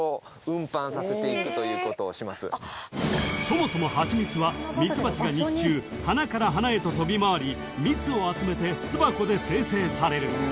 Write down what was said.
［そもそもハチミツはミツバチが日中花から花へと飛び回り蜜を集めて巣箱で生成される］